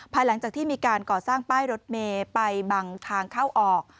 หลังจากที่มีการก่อสร้างป้ายรถเมย์ไปบังทางเข้าออก